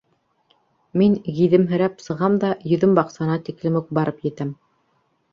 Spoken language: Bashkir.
Мин гиҙемһерәп сығам да йөҙөм баҡсаһына тиклем үк барып етәм.